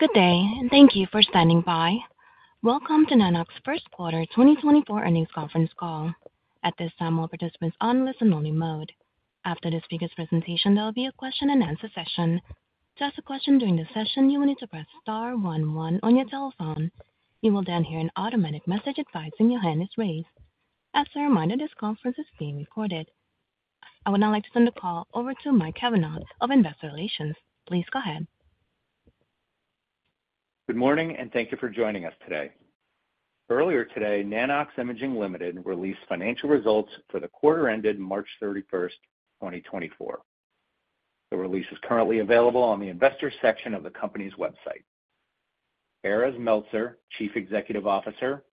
Good day, and thank you for standing by. Welcome to Nanox First Quarter 2024 Earnings Conference Call. At this time, all participants on listen-only mode. After the speaker's presentation, there will be a question-and-answer session. To ask a question during the session, you will need to press star one one on your telephone. You will then hear an automatic message advising your hand is raised. As a reminder, this conference is being recorded. I would now like to send the call over to Mike Cavanagh of Investor Relations. Please go ahead. Good morning, and thank you for joining us today. Earlier today, Nanox Imaging Limited released financial results for the quarter ended March 31st, 2024. The release is currently available on the investors section of the company's website. Erez Meltzer, Chief Executive Officer,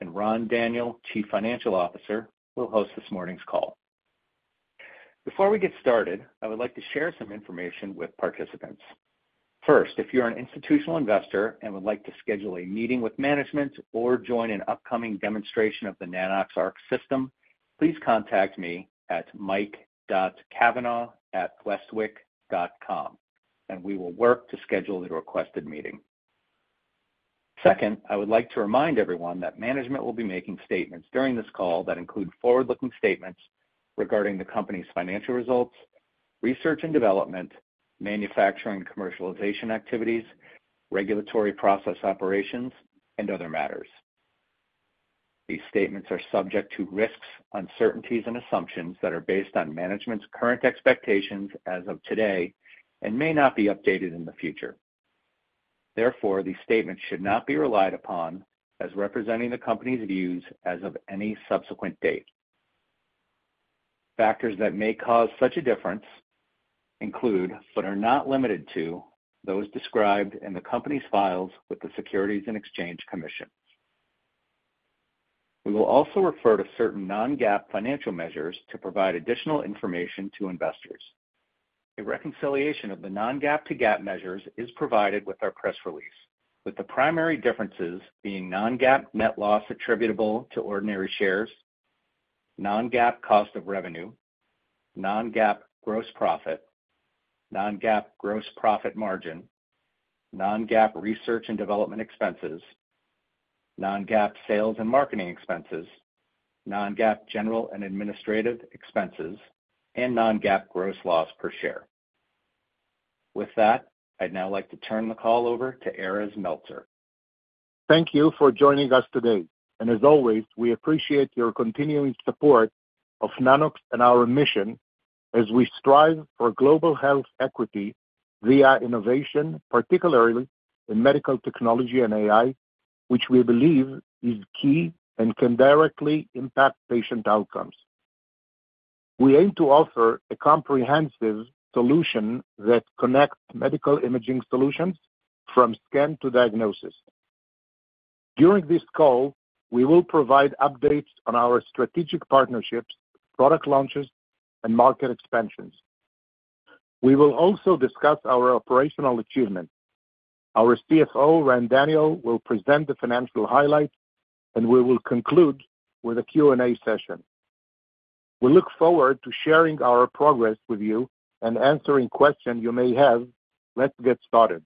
and Ran Daniel, Chief Financial Officer, will host this morning's call. Before we get started, I would like to share some information with participants. First, if you're an institutional investor and would like to schedule a meeting with management or join an upcoming demonstration of the Nanox.ARC system, please contact me at mike.cavanagh@westwicke.com, and we will work to schedule the requested meeting. Second, I would like to remind everyone that management will be making statements during this call that include forward-looking statements regarding the company's financial results, research and development, manufacturing, commercialization activities, regulatory process operations, and other matters. These statements are subject to risks, uncertainties, and assumptions that are based on management's current expectations as of today and may not be updated in the future. Therefore, these statements should not be relied upon as representing the company's views as of any subsequent date. Factors that may cause such a difference include, but are not limited to, those described in the company's filings with the Securities and Exchange Commission. We will also refer to certain non-GAAP financial measures to provide additional information to investors. A reconciliation of the non-GAAP to GAAP measures is provided with our press release, with the primary differences being non-GAAP net loss attributable to ordinary shares, non-GAAP cost of revenue, non-GAAP gross profit, non-GAAP gross profit margin, non-GAAP research and development expenses, non-GAAP sales and marketing expenses, non-GAAP general and administrative expenses, and non-GAAP gross loss per share. With that, I'd now like to turn the call over to Erez Meltzer. Thank you for joining us today, and as always, we appreciate your continuing support of Nanox and our mission as we strive for global health equity via innovation, particularly in medical technology and AI, which we believe is key and can directly impact patient outcomes. We aim to offer a comprehensive solution that connects medical imaging solutions from scan to diagnosis. During this call, we will provide updates on our strategic partnerships, product launches, and market expansions. We will also discuss our operational achievements. Our CFO, Ran Daniel, will present the financial highlights, and we will conclude with a Q&A session. We look forward to sharing our progress with you and answering questions you may have. Let's get started.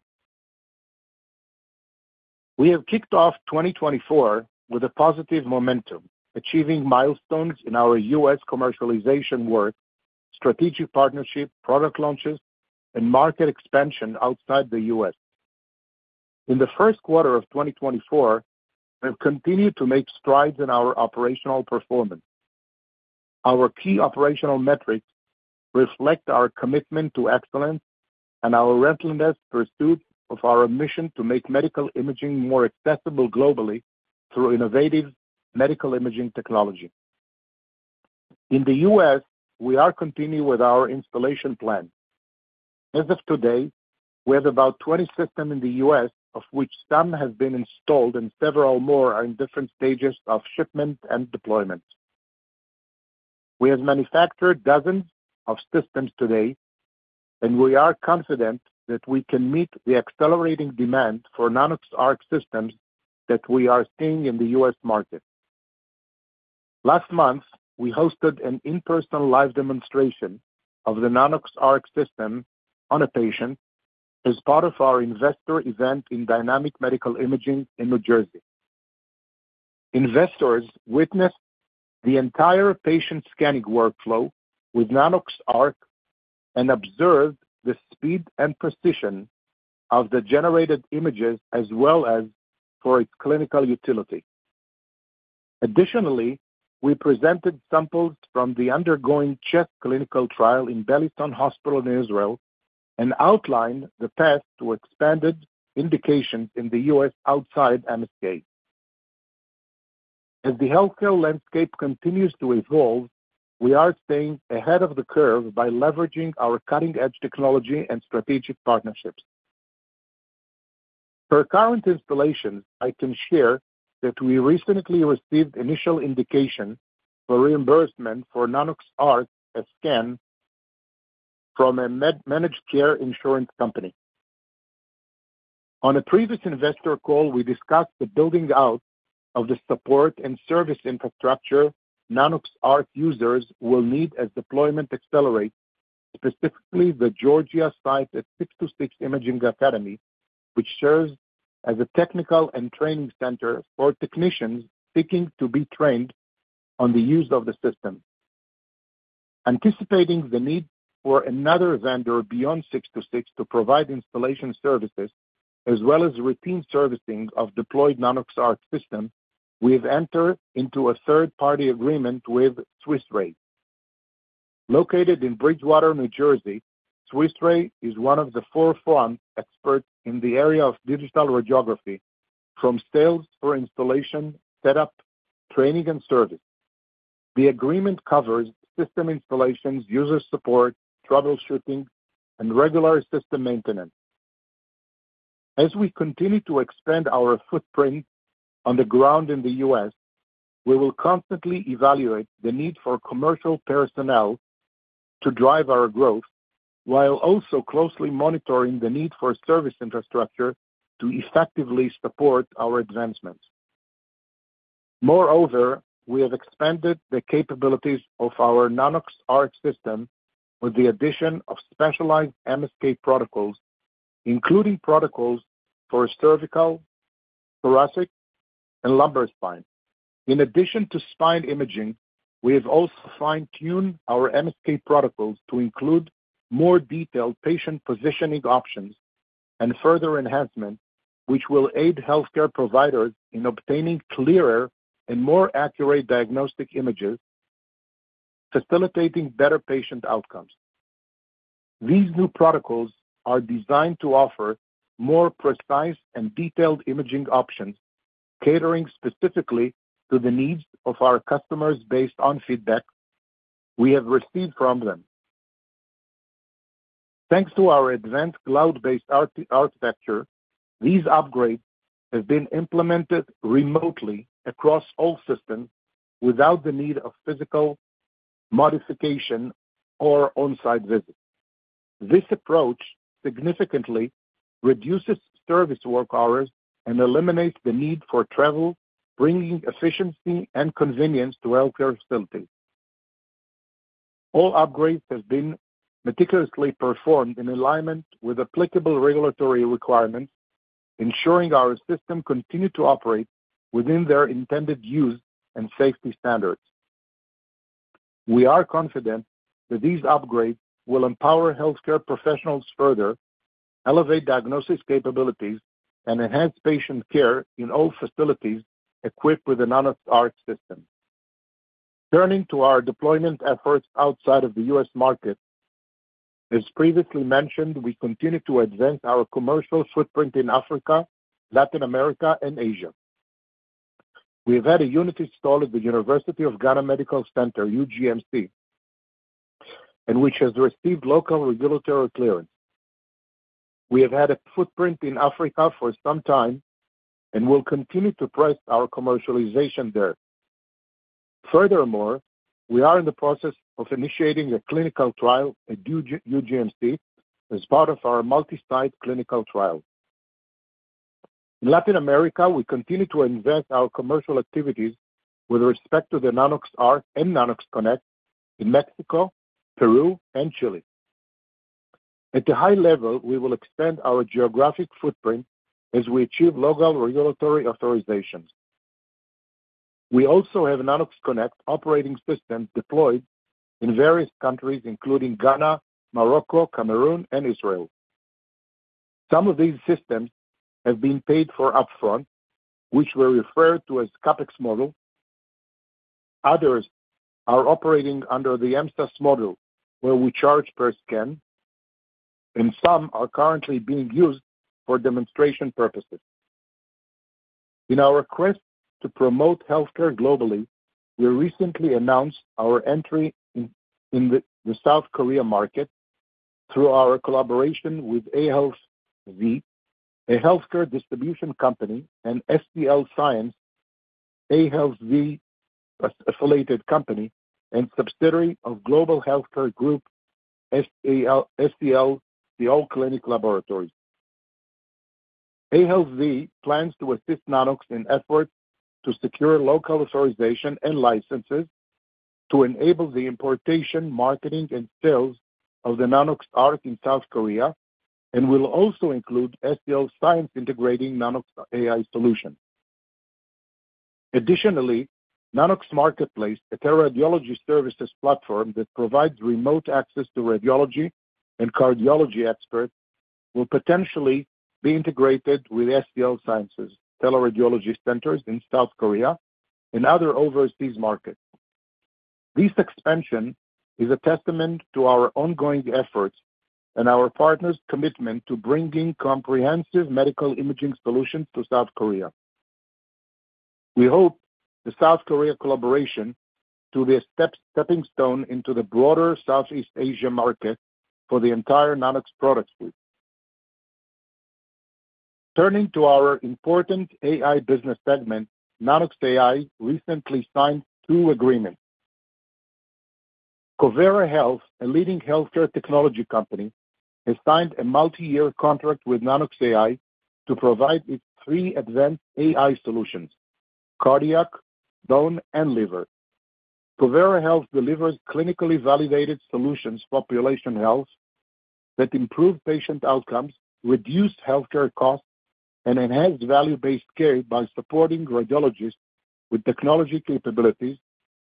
We have kicked off 2024 with a positive momentum, achieving milestones in our U.S. commercialization work, strategic partnership, product launches, and market expansion outside the U.S. In the first quarter of 2024, we've continued to make strides in our operational performance. Our key operational metrics reflect our commitment to excellence and our relentless pursuit of our mission to make medical imaging more accessible globally through innovative medical imaging technology. In the US, we are continuing with our installation plan. As of today, we have about 20 systems in the US, of which some have been installed and several more are in different stages of shipment and deployment. We have manufactured dozens of systems today, and we are confident that we can meet the accelerating demand for Nanox.ARC systems that we are seeing in the US market. Last month, we hosted an in-person live demonstration of the Nanox.ARC system on a patient as part of our investor event in Dynamic Medical Imaging in New Jersey. Investors witnessed the entire patient scanning workflow with Nanox.ARC and observed the speed and precision of the generated images as well as for its clinical utility. Additionally, we presented samples from the undergoing chest clinical trial in Beilinson Hospital in Israel and outlined the path to expanded indications in the U.S. outside MSK. As the healthcare landscape continues to evolve, we are staying ahead of the curve by leveraging our cutting-edge technology and strategic partnerships. Per current installation, I can share that we recently received initial indication for reimbursement for Nanox.ARC as scan from a managed care insurance company. On a previous investor call, we discussed the building out- of the support and service infrastructure Nanox.ARC users will need as deployment accelerates, specifically the Georgia site at 626 Imaging Academy, which serves as a technical and training center for technicians seeking to be trained on the use of the system. Anticipating the need for another vendor beyond 626 to provide installation services, as well as routine servicing of deployed Nanox.ARC systems, we have entered into a third-party agreement with Swissray. Located in Bridgewater, New Jersey, Swissray is one of the forefront experts in the area of digital radiography, from sales for installation, setup, training, and service. The agreement covers system installations, user support, troubleshooting, and regular system maintenance. As we continue to expand our footprint on the ground in the U.S., we will constantly evaluate the need for commercial personnel to drive our growth, while also closely monitoring the need for service infrastructure to effectively support our advancements. Moreover, we have expanded the capabilities of our Nanox.ARC system with the addition of specialized MSK protocols, including protocols for cervical, thoracic, and lumbar spine. In addition to spine imaging, we have also fine-tuned our MSK protocols to include more detailed patient positioning options and further enhancement, which will aid healthcare providers in obtaining clearer and more accurate diagnostic images, facilitating better patient outcomes. These new protocols are designed to offer more precise and detailed imaging options, catering specifically to the needs of our customers based on feedback we have received from them. Thanks to our advanced cloud-based ARC architecture, these upgrades have been implemented remotely across all systems without the need of physical modification or on-site visits. This approach significantly reduces service work hours and eliminates the need for travel, bringing efficiency and convenience to healthcare facilities. All upgrades have been meticulously performed in alignment with applicable regulatory requirements, ensuring our system continue to operate within their intended use and safety standards. We are confident that these upgrades will empower healthcare professionals further, elevate diagnosis capabilities, and enhance patient care in all facilities equipped with a Nanox.ARC system. Turning to our deployment efforts outside of the U.S. market, as previously mentioned, we continue to advance our commercial footprint in Africa, Latin America, and Asia. We have had a unit installed at the University of Ghana Medical Center, UGMC, and which has received local regulatory clearance. We have had a footprint in Africa for some time and will continue to press our commercialization there. Furthermore, we are in the process of initiating a clinical trial at UGMC as part of our multi-site clinical trial. In Latin America, we continue to invest our commercial activities with respect to the Nanox.ARC and Nanox.CONNECT in Mexico, Peru, and Chile. At a high level, we will expand our geographic footprint as we achieve local regulatory authorizations. We also have Nanox.CONNECT operating system deployed in various countries, including Ghana, Morocco, Cameroon, and Israel. Some of these systems have been paid for upfront, which were referred to as CapEx model. Others are operating under the SaaS model, where we charge per scan, and some are currently being used for demonstration purposes. In our quest to promote healthcare globally, we recently announced our entry in the South Korea market through our collaboration with AhealthZ, a healthcare distribution company, and SCL Science, AhealthZ affiliated company and subsidiary of Global Healthcare Group, SCL Bioclinic Laboratories. AhealthZ plans to assist Nanox in efforts to secure local authorization and licenses to enable the importation, marketing, and sales of the Nanox.ARC in South Korea, and will also include SCL Science integrating Nanox.AI solution. Additionally, Nanox Marketplace, a teleradiology services platform that provides remote access to radiology and cardiology experts, will potentially be integrated with SCL Science's teleradiology centers in South Korea and other overseas markets. This expansion is a testament to our ongoing efforts and our partners' commitment to bringing comprehensive medical imaging solutions to South Korea. We hope the South Korea collaboration to be a stepping stone into the broader Southeast Asia market for the entire Nanox product suite. Turning to our important AI business segment, Nanox.AI recently signed two agreements. Covera Health, a leading healthcare technology company, has signed a multi-year contract with Nanox.AI to provide its three advanced AI solutions: cardiac, bone, and liver. Covera Health delivers clinically validated solutions for population health that improve patient outcomes, reduce healthcare costs, and enhance value-based care by supporting radiologists with technology capabilities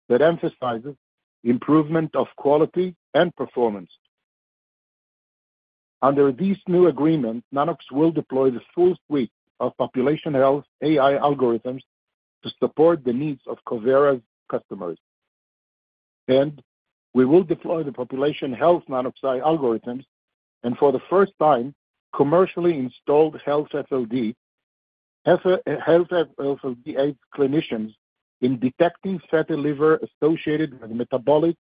that emphasizes improvement of quality and performance. Under this new agreement, Nanox will deploy the full suite of population health AI algorithms to support the needs of Covera's customers, and we will deploy the population health Nanox.AI algorithms, and for the first time, commercially installed HealthFLD. HealthFLD aids clinicians in detecting fatty liver associated with metabolic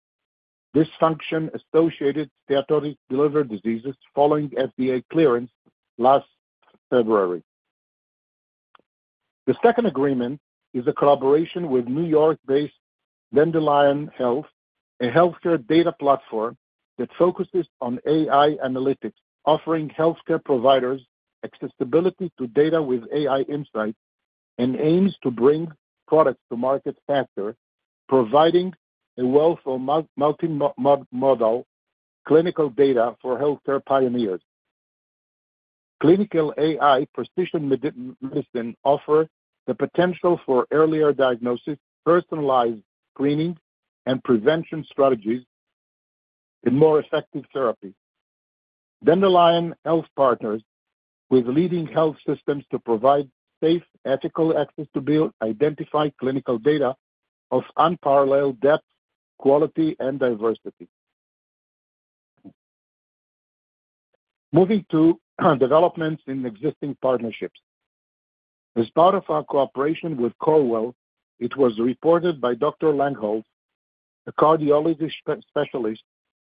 dysfunction, associated steatotic liver diseases following FDA clearance last February. The second agreement is a collaboration with New York-based Dandelion Health, a healthcare data platform that focuses on AI analytics, offering healthcare providers accessibility to data with AI insights, and aims to bring products to market faster, providing a wealth of multi-mod, multi-model clinical data for healthcare pioneers. Clinical AI precision medi-medicine offer the potential for earlier diagnosis, personalized screening and prevention strategies, and more effective therapy. Dandelion Health partners with leading health systems to provide safe, ethical access to de-identified clinical data of unparalleled depth, quality, and diversity. Moving to developments in existing partnerships. As part of our cooperation with Corewell, it was reported by Dr. Langholz, a cardiologist specialist,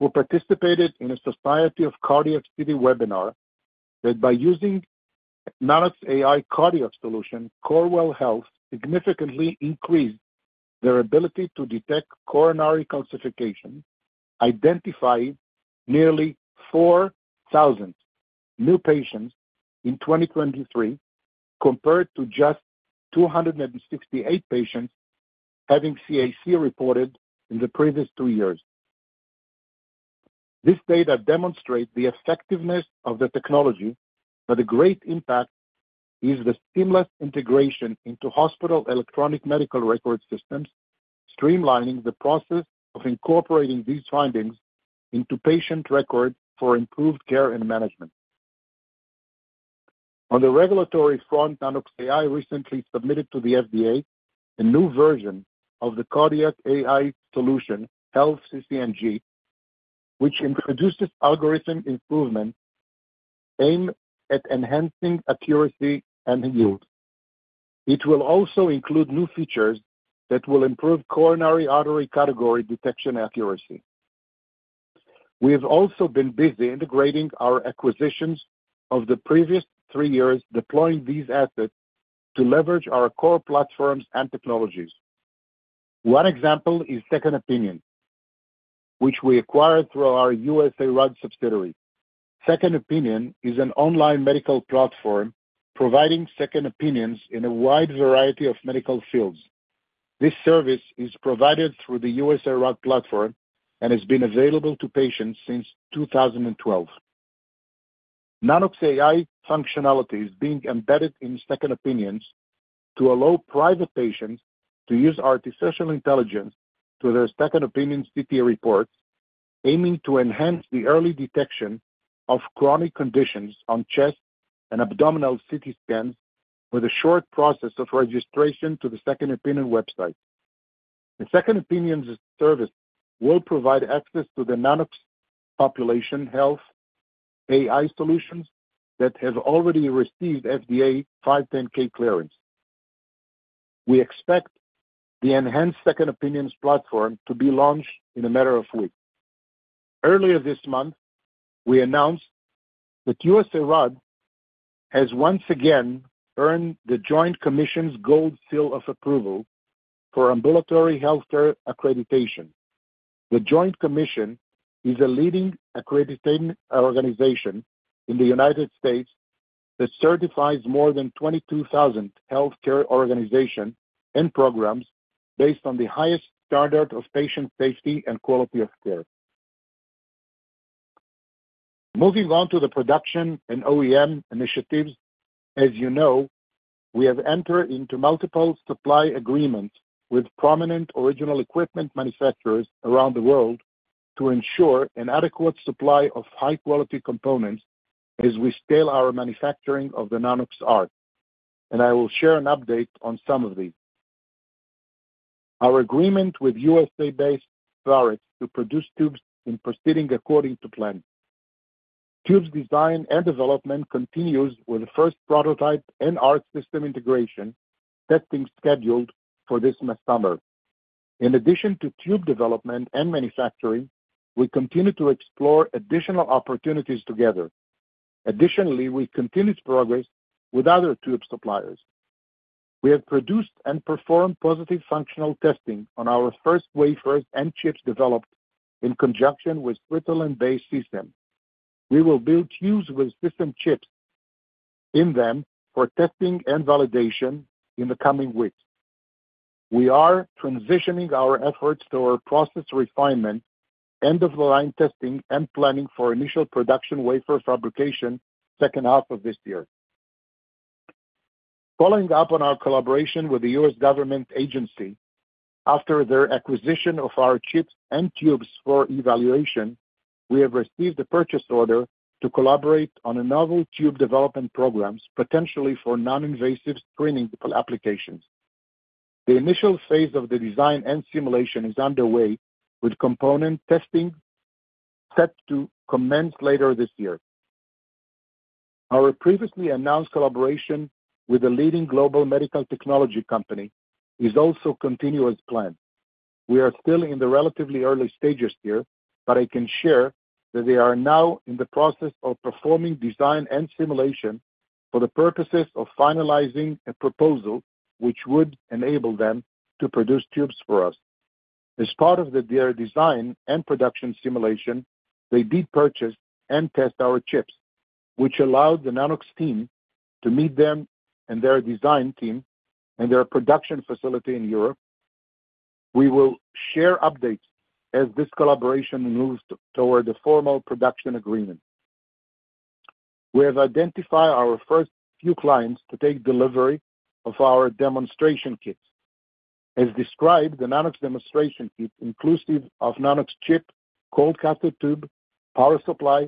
who participated in a Society of Cardiac CT webinar, that by using Nanox.AI cardiac solution, Corewell Health significantly increased their ability to detect coronary calcification, identifying nearly 4,000 new patients in 2023, compared to just 268 patients having CAC reported in the previous two years. This data demonstrates the effectiveness of the technology, but a great impact is the seamless integration into hospital electronic medical record systems, streamlining the process of incorporating these findings into patient records for improved care and management. On the regulatory front, Nanox.AI recently submitted to the FDA a new version of the cardiac AI solution, HealthCCSng, which introduces algorithm improvement aimed at enhancing accuracy and yield. It will also include new features that will improve coronary artery category detection accuracy. We have also been busy integrating our acquisitions of the previous three years, deploying these assets to leverage our core platforms and technologies. One example is SecondOpinions.com, which we acquired through our USARAD subsidiary. SecondOpinions.com is an online medical platform providing second opinions in a wide variety of medical fields. This service is provided through the USARAD platform and has been available to patients since 2012. Nanox.AI functionality is being embedded in second opinions to allow private patients to use artificial intelligence to their second opinion CT reports, aiming to enhance the early detection of chronic conditions on chest and abdominal CT scans, with a short process of registration to the SecondOpinions.com website. The SecondOpinions.com service will provide access to the Nanox population health AI solutions that have already received FDA 510(k) clearance. We expect the enhanced Second Opinions platform to be launched in a matter of weeks. Earlier this month, we announced that USARAD has once again earned the Joint Commission's Gold Seal of Approval for Ambulatory Healthcare Accreditation. The Joint Commission is a leading accrediting organization in the United States that certifies more than 22,000 healthcare organizations and programs based on the highest standard of patient safety and quality of care. Moving on to the production and OEM initiatives. As you know, we have entered into multiple supply agreements with prominent original equipment manufacturers around the world to ensure an adequate supply of high-quality components as we scale our manufacturing of the Nanox.ARC, and I will share an update on some of these. Our agreement with USA-based Varex to produce tubes is proceeding according to plan. Tube design and development continues with the first prototype and Arc system integration, testing scheduled for this summer. In addition to tube development and manufacturing, we continue to explore additional opportunities together. Additionally, we continue to progress with other tube suppliers. We have produced and performed positive functional testing on our first wafers and chips developed in conjunction with Switzerland-based CSEM. We will build tubes with system chips in them for testing and validation in the coming weeks. We are transitioning our efforts toward process refinement, end-of-the-line testing, and planning for initial production wafer fabrication, second half of this year. Following up on our collaboration with the U.S. government agency, after their acquisition of our chips and tubes for evaluation, we have received a purchase order to collaborate on a novel tube development programs, potentially for non-invasive screening applications. The initial phase of the design and simulation is underway, with component testing set to commence later this year. Our previously announced collaboration with a leading global medical technology company is also continuing as planned. We are still in the relatively early stages here, but I can share that they are now in the process of performing design and simulation for the purposes of finalizing a proposal, which would enable them to produce tubes for us. As part of their design and production simulation, they did purchase and test our chips, which allowed the Nanox team to meet them and their design team and their production facility in Europe. We will share updates as this collaboration moves toward a formal production agreement. We have identified our first few clients to take delivery of our demonstration kits. As described, the Nanox demonstration kit, inclusive of Nanox chip, cold cathode tube, power supply,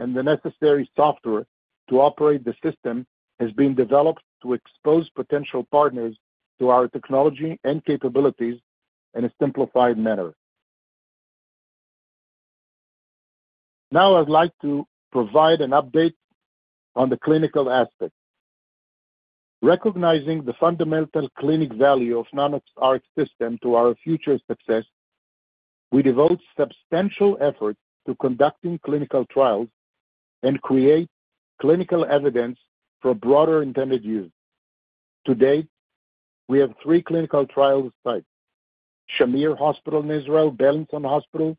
and the necessary software to operate the system, has been developed to expose potential partners to our technology and capabilities in a simplified manner. Now, I'd like to provide an update on the clinical aspect. Recognizing the fundamental clinical value of Nanox.ARC system to our future success, we devote substantial effort to conducting clinical trials and create clinical evidence for broader intended use. To date, we have three clinical trial sites: Shamir Medical Center in Israel, Beilinson Hospital,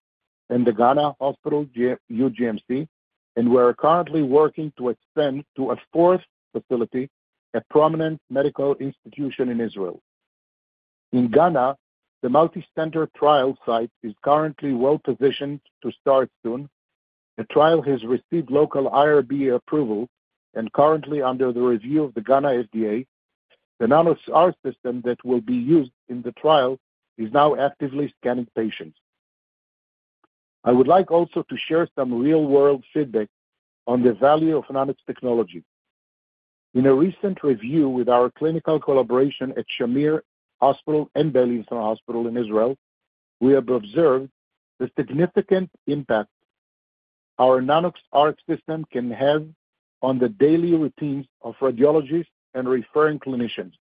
and the University of Ghana Medical Center (UGMC), and we are currently working to extend to a fourth facility, a prominent medical institution in Israel. In Ghana, the multicenter trial site is currently well-positioned to start soon. The trial has received local IRB approval and currently under the review of the Ghana FDA. The Nanox.ARC system that will be used in the trial is now actively scanning patients. I would like also to share some real-world feedback on the value of Nanox technology. In a recent review with our clinical collaboration at Shamir Hospital and Beilinson Hospital in Israel, we have observed the significant impact our Nanox.ARC system can have on the daily routines of radiologists and referring clinicians.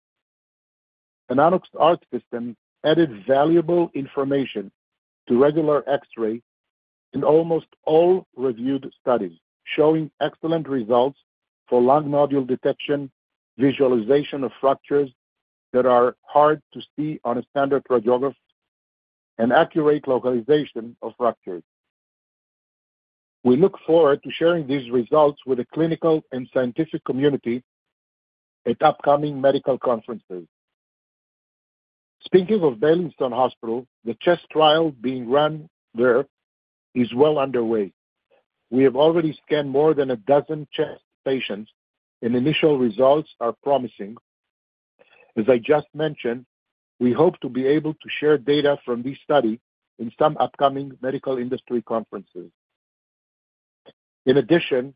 The Nanox.ARC system added valuable information to regular X-ray in almost all reviewed studies, showing excellent results for lung nodule detection, visualization of fractures that are hard to see on a standard radiograph, and accurate localization of fractures. We look forward to sharing these results with the clinical and scientific community at upcoming medical conferences. Speaking of Beilinson Hospital, the chest trial being run there is well underway. We have already scanned more than a dozen chest patients, and initial results are promising. As I just mentioned, we hope to be able to share data from this study in some upcoming medical industry conferences. In addition,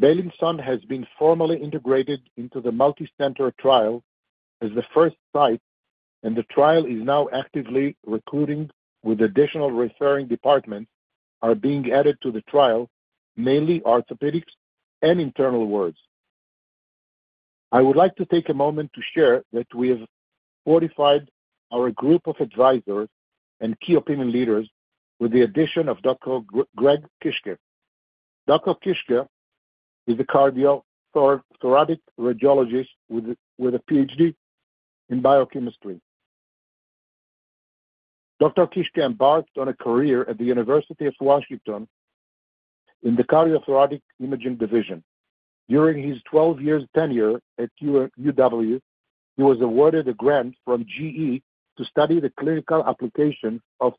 Beilinson has been formally integrated into the multicenter trial as the first site, and the trial is now actively recruiting, with additional referring departments are being added to the trial, mainly orthopedics and internal wards. I would like to take a moment to share that we have fortified our group of advisors and key opinion leaders with the addition of Dr. Greg Kicska. Dr. Kicska is a cardiothoracic radiologist with a Ph.D. in biochemistry. Dr. Kicska embarked on a career at the University of Washington in the cardiothoracic imaging division. During his 12 years tenure at UW, he was awarded a grant from GE to study the clinical application of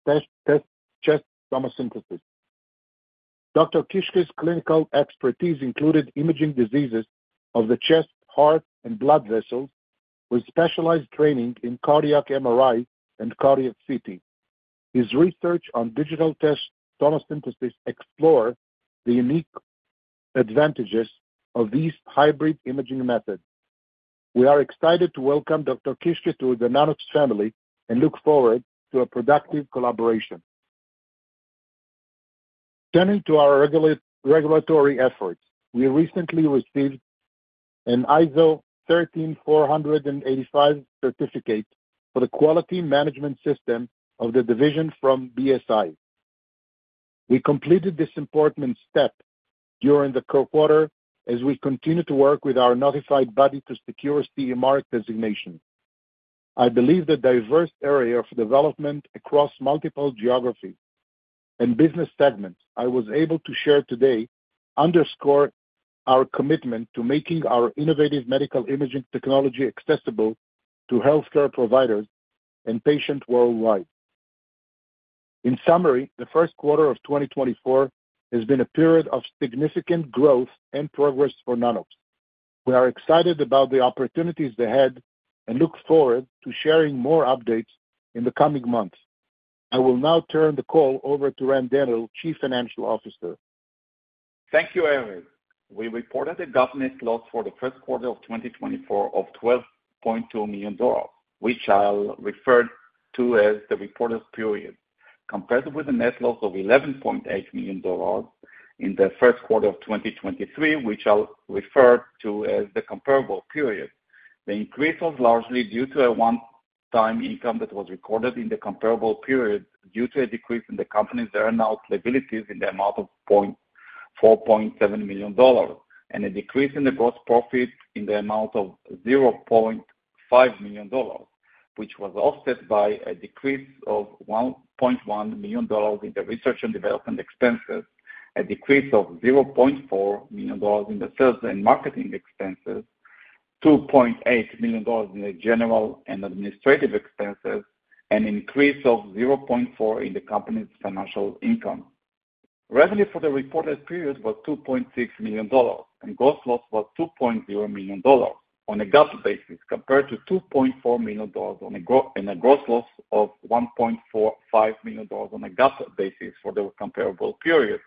chest tomosynthesis. Dr. Kicska's clinical expertise included imaging diseases of the chest, heart, and blood vessels, with specialized training in cardiac MRI and cardiac CT. His research on digital tomosynthesis explore the unique advantages of these hybrid imaging methods. We are excited to welcome Dr. Kicska to the Nanox family and look forward to a productive collaboration. Turning to our regulatory efforts, we recently received an ISO 13485 certificate for the quality management system of the division from BSI. We completed this important step during the quarter as we continue to work with our notified body to secure CE Mark designation. I believe the diverse area of development across multiple geographies and business segments I was able to share today underscore our commitment to making our innovative medical imaging technology accessible to healthcare providers and patients worldwide. In summary, the first quarter of 2024 has been a period of significant growth and progress for Nanox. We are excited about the opportunities ahead and look forward to sharing more updates in the coming months. I will now turn the call over to Ran Daniel, Chief Financial Officer. Thank you, Erez. We reported a GAAP net loss for the first quarter of 2024 of $12.2 million, which I'll refer to as the reported period, compared with a net loss of $11.8 million in the first quarter of 2023, which I'll refer to as the comparable period. The increase was largely due to a one-time income that was recorded in the comparable period, due to a decrease in the company's earnout liabilities in the amount of $4.7 million, and a decrease in the gross profit in the amount of $0.5 million, which was offset by a decrease of $1.1 million in the research and development expenses, a decrease of $0.4 million in the sales and marketing expenses, $2.8 million in the general and administrative expenses, an increase of $0.4 million in the company's financial income. Revenue for the reported period was $2.6 million, and gross loss was $2.0 million on a GAAP basis, compared to $2.4 million and a gross loss of $1.45 million on a GAAP basis for the comparable period.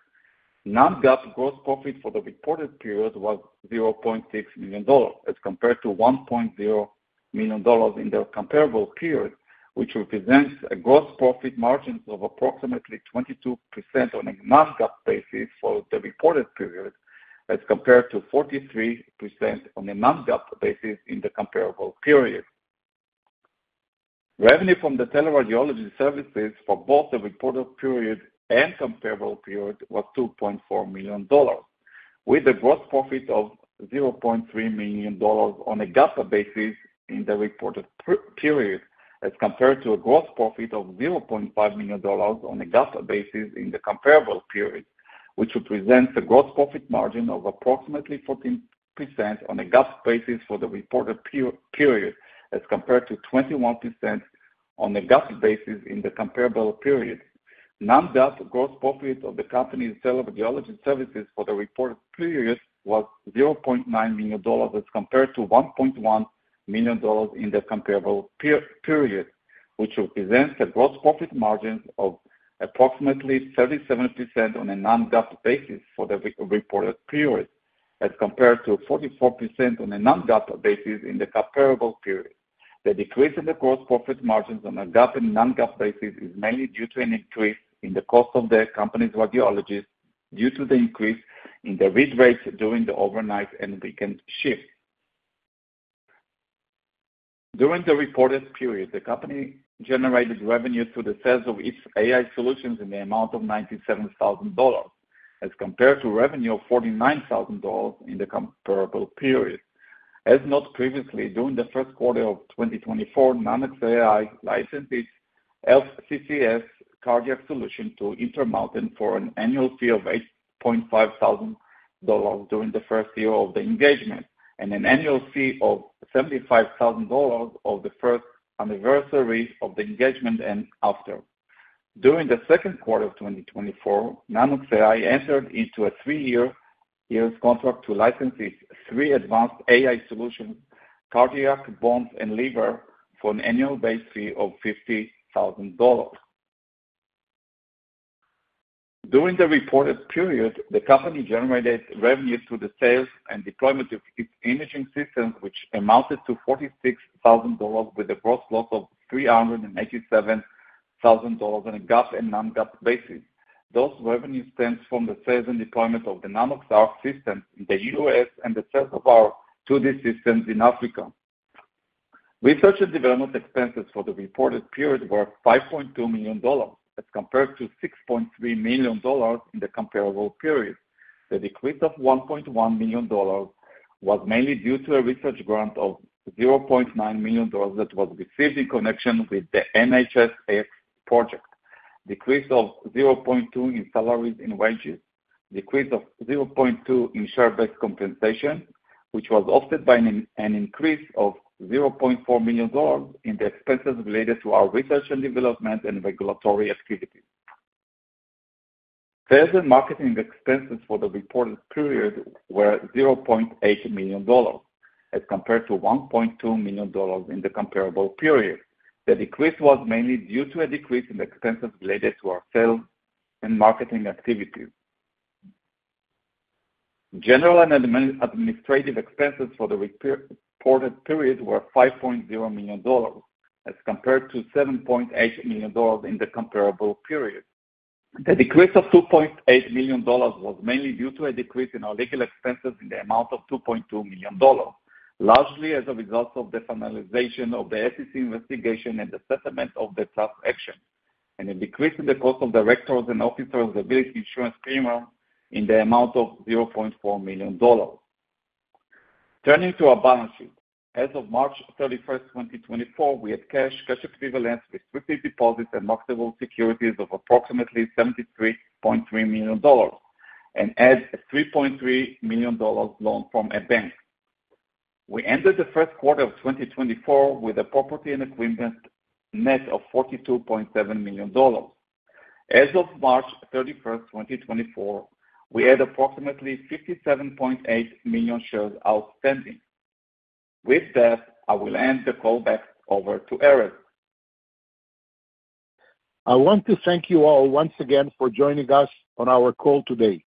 Non-GAAP gross profit for the reported period was $0.6 million, as compared to $1.0 million in the comparable period, which represents a gross profit margins of approximately 22% on a Non-GAAP basis for the reported period, as compared to 43% on a Non-GAAP basis in the comparable period. Revenue from the teleradiology services for both the reported period and comparable period was $2.4 million, with a gross profit of $0.3 million on a GAAP basis in the reported period, as compared to a gross profit of $0.5 million on a GAAP basis in the comparable period, which represents a gross profit margin of approximately 14% on a GAAP basis for the reported period, as compared to 21% on a GAAP basis in the comparable period. Non-GAAP gross profit of the company's teleradiology services for the reported period was $0.9 million, as compared to $1.1 million in the comparable period, which represents a gross profit margin of approximately 37% on a Non-GAAP basis for the reported period, as compared to 44% on a Non-GAAP basis in the comparable period. The decrease in the gross profit margins on a GAAP and Non-GAAP basis is mainly due to an increase in the cost of the company's radiologists due to the increase in the read rates during the overnight and weekend shift. During the reported period, the company generated revenue through the sales of its AI solutions in the amount of $97,000, as compared to revenue of $49,000 in the comparable period. As noted previously, during the first quarter of 2024, Nanox.AI licensed its HealthCCSng cardiac solution to Intermountain Health for an annual fee of $8,500 during the first year of the engagement, and an annual fee of $75,000 from the first anniversary of the engagement and after. During the second quarter of 2024, Nanox.AI entered into a three-year contract to license its three advanced AI solutions, cardiac, bone, and liver, for an annual base fee of $50,000. During the reported period, the company generated revenue through the sales and deployment of its imaging systems, which amounted to $46,000, with a gross loss of $387,000 on a GAAP and Non-GAAP basis. Those revenues stems from the sales and deployment of the Nanox.ARC system in the U.S. and the sales of our 2D systems in Africa. Research and development expenses for the reported period were $5.2 million, as compared to $6.3 million in the comparable period. The decrease of $1.1 million was mainly due to a research grant of $0.9 million that was received in connection with the NHSA project. Decrease of $0.2 million in salaries and wages, decrease of $0.2 million in share-based compensation, which was offset by an increase of $0.4 million in the expenses related to our research and development and regulatory activities. Sales and marketing expenses for the reported period were $0.8 million, as compared to $1.2 million in the comparable period. The decrease was mainly due to a decrease in the expenses related to our sales and marketing activities. General and administrative expenses for the reported period were $5.0 million, as compared to $7.8 million in the comparable period. The decrease of $2.8 million was mainly due to a decrease in our legal expenses in the amount of $2.2 million, largely as a result of the finalization of the SEC investigation and the settlement of the class action, and a decrease in the cost of directors and officers' liability insurance premium in the amount of $0.4 million. Turning to our balance sheet. As of March 31st, 2024, we had cash, cash equivalents, restricted deposits, and marketable securities of approximately $73.3 million, and a $3.3 million loan from a bank. We ended the first quarter of 2024 with a property and equipment net of $42.7 million. As of March 31st, 2024, we had approximately 57.8 million shares outstanding. With that, I will hand the call back over to Erez. I want to thank you all once again for joining us on our call today,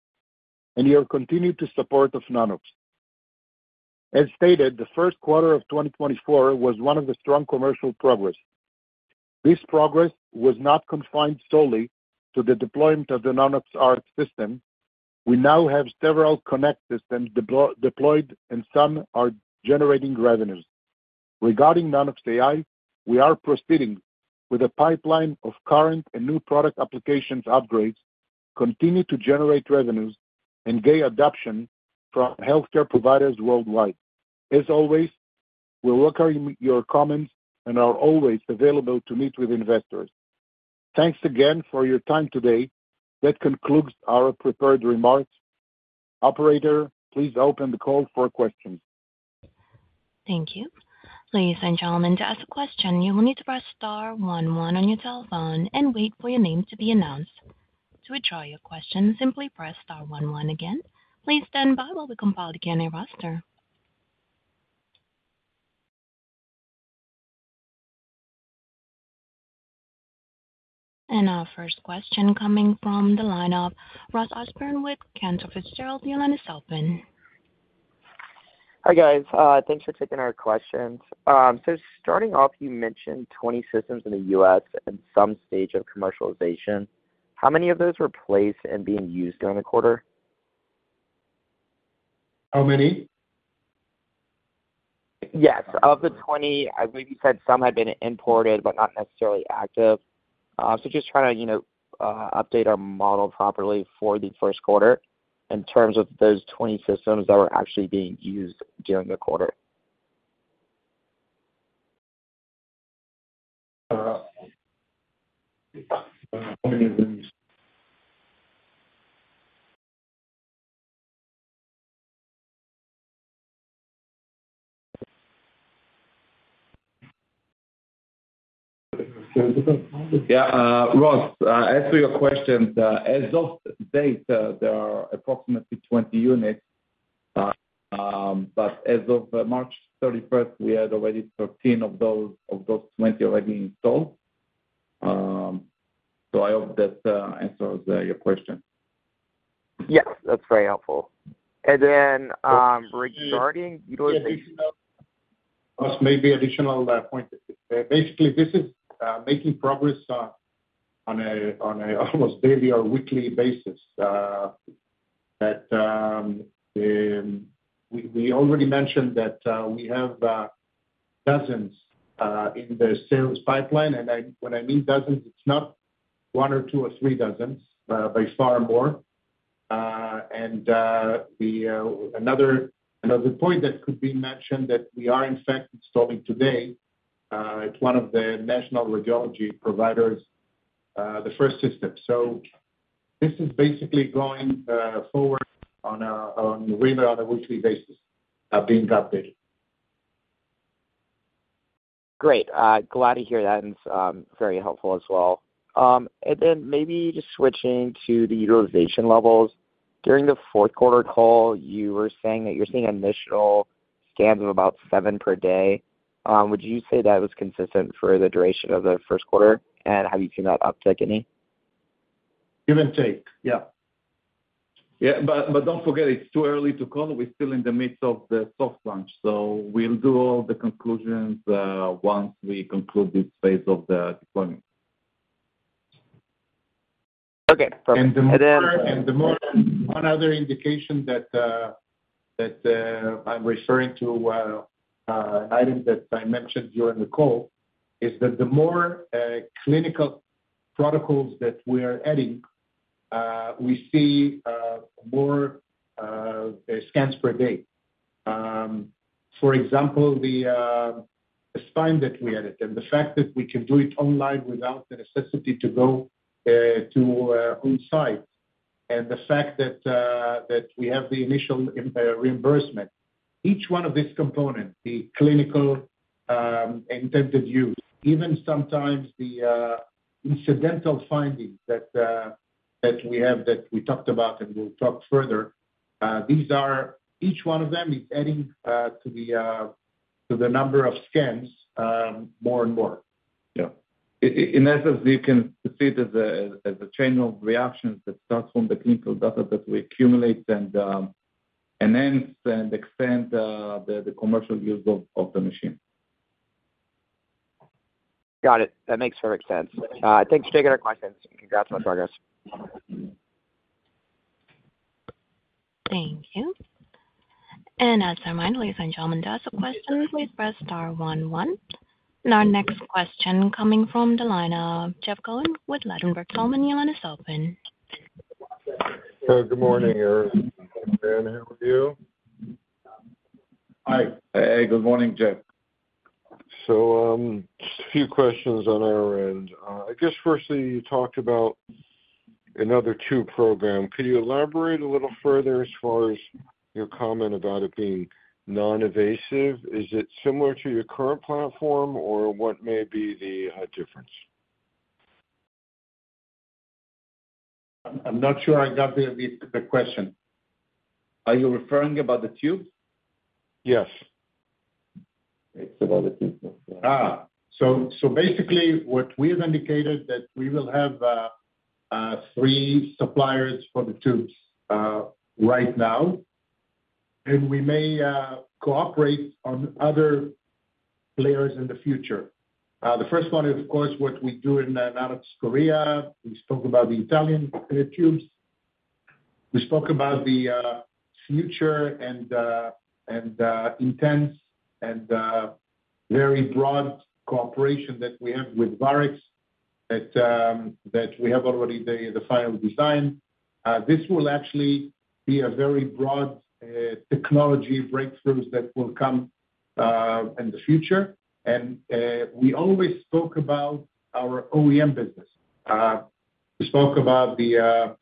and your continued support of Nanox. As stated, the first quarter of 2024 was one of the strong commercial progress. This progress was not confined solely to the deployment of the Nanox.ARC system. We now have several CONNECT systems deployed, and some are generating revenues. Regarding Nanox.AI, we are proceeding with a pipeline of current and new product applications upgrades, continue to generate revenues, and gain adoption from healthcare providers worldwide. As always, we welcome your comments and are always available to meet with investors. Thanks again for your time today. That concludes our prepared remarks. Operator, please open the call for questions. Thank you. Ladies and gentlemen, to ask a question, you will need to press star one one on your telephone and wait for your name to be announced. To withdraw your question, simply press star one one again. Please stand by while we compile the Q&A roster. Our first question coming from the lineup, Ross Osborn with Cantor Fitzgerald. Your line is open. Hi, guys. Thanks for taking our questions. So starting off, you mentioned 20 systems in the US in some stage of commercialization. How many of those were placed and being used during the quarter? How many? Yes. Of the 20, I believe you said some had been imported, but not necessarily active. So just trying to, you know, update our model properly for the first quarter in terms of those 20 systems that were actually being used during the quarter. Yeah, Ross, answer your question, as of date, there are approximately 20 units. But as of March 31, we had already 13 of those, of those 20 already installed. So I hope that answers your question. Yes, that's very helpful. And then, regarding utilization- Plus, maybe an additional point. Basically, this is making progress on an almost daily or weekly basis. We already mentioned that we have dozens in the sales pipeline, and, when I mean dozens, it's not one or two or three dozens, by far more. And, another point that could be mentioned that we are in fact installing today at one of the national radiology providers the first system. So, this is basically going forward on a weekly basis of being updated. Great. Glad to hear that, and very helpful as well. And then maybe just switching to the utilization levels. During the fourth quarter call, you were saying that you're seeing initial scans of about seven per day. Would you say that was consistent for the duration of the first quarter? And have you seen that uptick any? Give and take, yeah. Yeah, but, but don't forget, it's too early to call. We're still in the midst of the soft launch, so we'll do all the conclusions, once we conclude this phase of the deployment. Okay. One other indication that I'm referring to, items that I mentioned during the call, is that the more clinical protocols that we are adding, we see more scans per day. For example, the spine that we added, and the fact that we can do it online without the necessity to go to on site, and the fact that we have the initial reimbursement. Each one of these components, the clinical intended use, even sometimes the incidental findings that we have, that we talked about, and we'll talk further, these are each one of them is adding to the number of scans, more and more. Yeah. In essence, you can see that as a chain of reactions that starts from the clinical data that we accumulate and enhance and extend the commercial use of the machine. Got it. That makes perfect sense. Thanks for taking our questions, and congrats on progress. Thank you. As a reminder, ladies and gentlemen, to ask a question, please press star one, one. Our next question coming from the line of Jeff Cohen with Ladenburg Thalmann. Your line is open. Good morning, Erez. How are you? Hi. Good morning, Jeff. So, just a few questions on our end. I guess firstly, you talked about another two program. Could you elaborate a little further as far as your comment about it being non-invasive? Is it similar to your current platform, or what may be the difference? I'm not sure I got the question. Are you referring about the tubes? Yes. It's about the tubes, yeah. So basically what we've indicated that we will have three suppliers for the tubes right now, and we may cooperate on other players in the future. The first one is, of course, what we do in South Korea. We spoke about the Italian tubes. We spoke about the future and intense and very broad cooperation that we have with Varex that we have already the final design. This will actually be a very broad technology breakthroughs that will come in the future. We always spoke about our OEM business. We spoke about the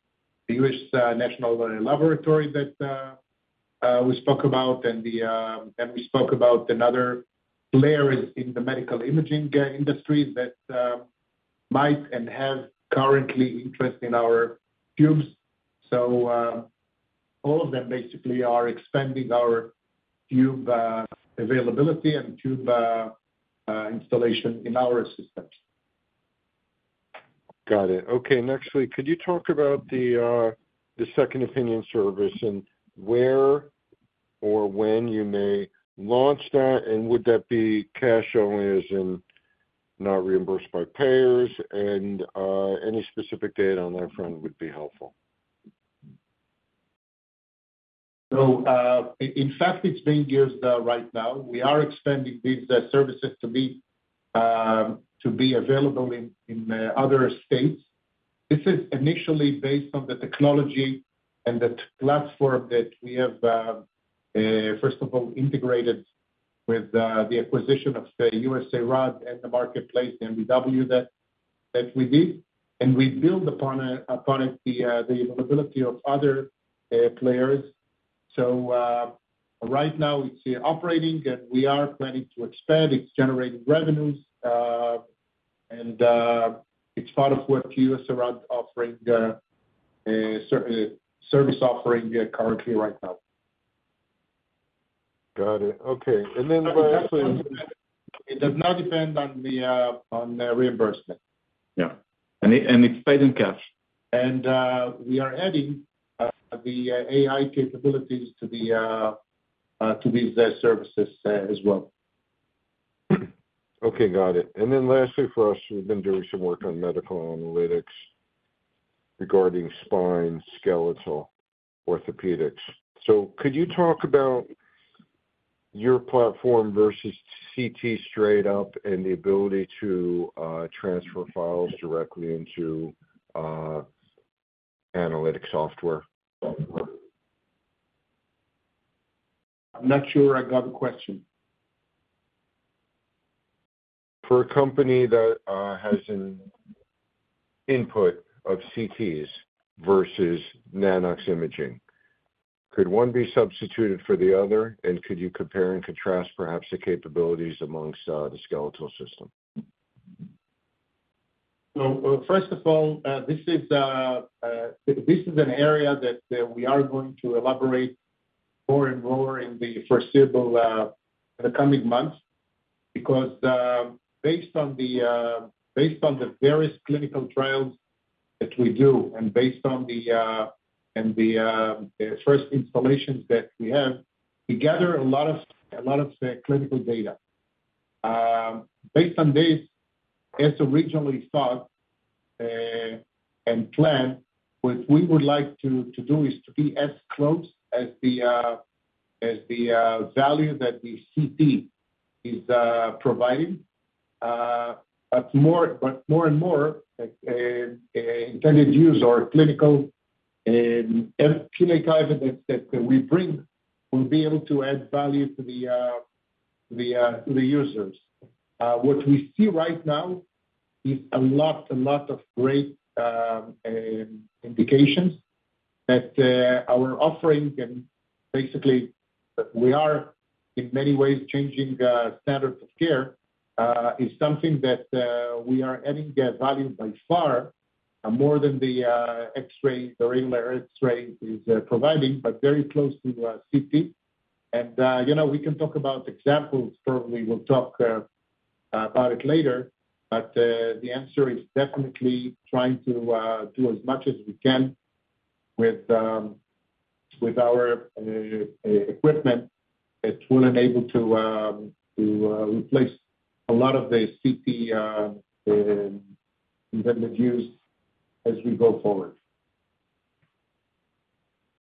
US National Laboratory that we spoke about, and we spoke about another player in the medical imaging industry that might and have currently interest in our tubes. So, all of them basically are expanding our tube availability and tube installation in our systems. Got it. Okay, nextly, could you talk about the second opinion service, and where or when you may launch that? And any specific data on that front would be helpful. So, in fact, it's being used right now. We are extending these services to be available in other states. This is initially based on the technology and the platform that we have, first of all, integrated with the acquisition of the USARAD and the marketplace, MDW, that we did, and we build upon the availability of other players. So, right now it's operating, and we are planning to expand. It's generating revenues, and it's part of what USARAD offering, service offering, currently right now. Got it. Okay, and then lastly- It does not depend on the reimbursement. Yeah. And it's paid in cash. And we are adding the AI capabilities to these services as well. Okay, got it. And then lastly for us, we've been doing some work on medical analytics regarding spine, skeletal, orthopedics. So could you talk about your platform versus CT straight up and the ability to transfer files directly into analytic software? I'm not sure I got the question. For a company that has an input of CTs versus Nanox imaging, could one be substituted for the other? And could you compare and contrast perhaps the capabilities among the skeletal system? So, first of all, this is an area that we are going to elaborate more and more in the foreseeable, in the coming months. Because, based on the, based on the various clinical trials that we do and based on the, and the, first installations that we have, we gather a lot of, a lot of, clinical data. Based on this, as originally thought, and planned, what we would like to, to do is to be as close as the, as the, value that the CT is, providing. But more, but more and more, intended use or clinical, clinical evidence that, that we bring will be able to add value to the, the, to the users. What we see right now is a lot, a lot of great indications that our offering can basically, we are in many ways changing standards of care, is something that we are adding value by far more than the X-ray, the regular X-ray is providing, but very close to the CT. And you know, we can talk about examples. Probably, we'll talk about it later, but the answer is definitely trying to do as much as we can with our equipment, it will enable to replace a lot of the CT intended use as we go forward.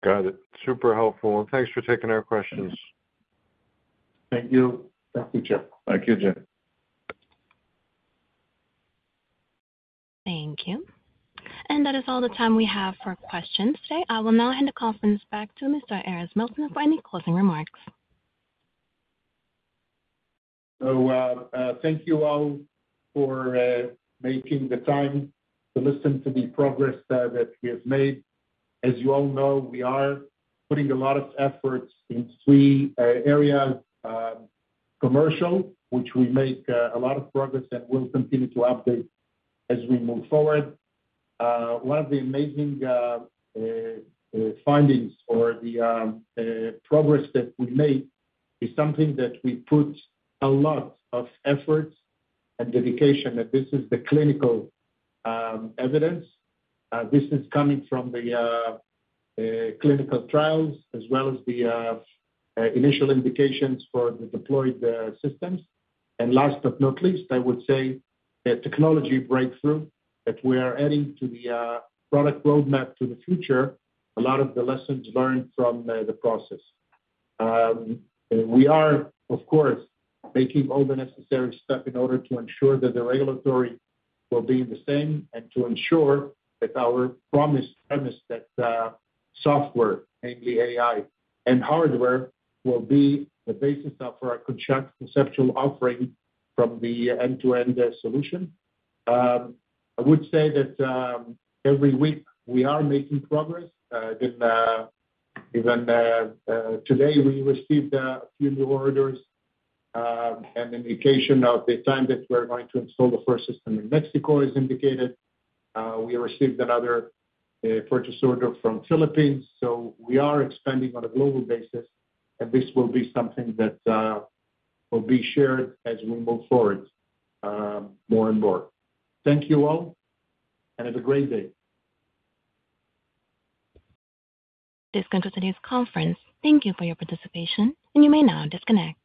Got it. Super helpful, and thanks for taking our questions. Thank you. Thank you, Jeff. Thank you, Jim. Thank you. That is all the time we have for questions today. I will now hand the conference back to Mr. Erez Meltzer for any closing remarks. Thank you all for making the time to listen to the progress that we have made. As you all know, we are putting a lot of efforts in three areas. Commercial, which we make a lot of progress and will continue to update as we move forward. One of the amazing findings or the progress that we made is something that we put a lot of effort and dedication, and this is the clinical evidence. This is coming from the clinical trials as well as the initial indications for the deployed systems. Last but not least, I would say a technology breakthrough that we are adding to the product roadmap to the future, a lot of the lessons learned from the process. We are, of course, making all the necessary step in order to ensure that the regulatory will be the same, and to ensure that our promised premise that software, mainly AI and hardware, will be the basis of our conceptual offering from the end-to-end solution. I would say that every week we are making progress in even today we received a few new orders, an indication of the time that we're going to install the first system in Mexico is indicated. We received another purchase order from Philippines, so we are expanding on a global basis, and this will be something that will be shared as we move forward more and more. Thank you all, and have a great day. This concludes today's conference. Thank you for your participation, and you may now disconnect.